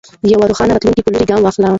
د یوه روښانه راتلونکي په لور ګام واخلو.